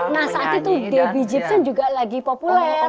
nah saat itu debbie jeepson juga lagi populer